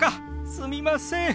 すみません。